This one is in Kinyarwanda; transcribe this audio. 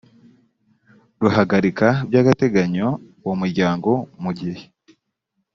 ruhagarika by agateganyo uwo muryango mu gihe